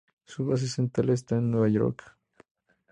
Su base central está en Nueva York.